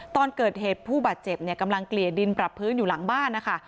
ตอนเกิดเหตุผู้บาดเจ็บเนี่ยกำลังเกลี่ยดินปรับพื้นอยู่หลังบ้านนะคะ